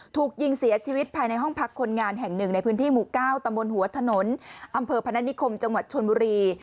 ถูกยิงเสียชีวิตภายในห้องพักคนงานแห่งหนึ่งในพื้นที่หมู่๙ตำบลหัวถนนอำเภอพนัฐนิคมจังหวัดชนบุรี